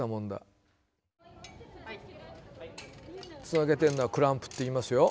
つなげてるのはクランプっていいますよ。